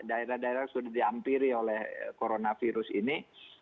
daerah daerah sudah diampiri oleh coronavirus ini